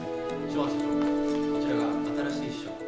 こちらが新しい秘書の。